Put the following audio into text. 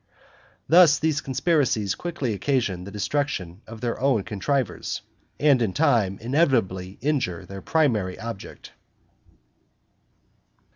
Thus these conspiracies quickly occasion the destruction of their contrivers, and, in time, inevitably injure their primary object.